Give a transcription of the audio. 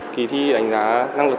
kỷ thi đánh giá năng lực